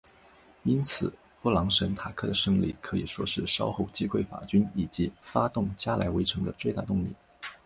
因此布朗什塔克的胜利可以说是稍后击溃法军以及发动加莱围城的最大推力。